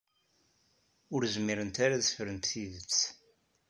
Ur zmirent ara ad ffrent tidet.